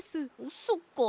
そっか。